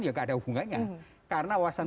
ya gak ada hubungannya karena wawasan